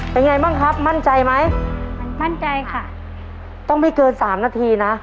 เป็นไงบ้างครับมั่นใจไหมมั่นใจค่ะต้องไม่เกินสามนาทีนะ